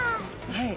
はい。